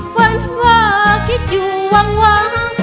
ฝันว่าคิดอยู่หวังว้าง